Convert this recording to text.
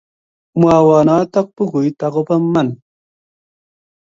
Mwawa noto Buku-it ako bo iman